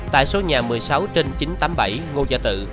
tại số nhà một mươi sáu trên chín trăm tám mươi bảy ngô gia tự